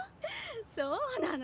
そうなの！